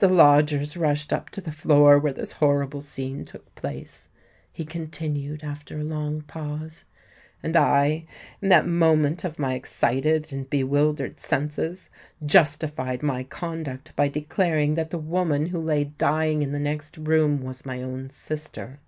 "The lodgers rushed up to the floor where this horrible scene took place," he continued, after a long pause; "and I, in that moment of my excited and bewildered senses, justified my conduct by declaring that the woman who lay dying in the next room was my own sister.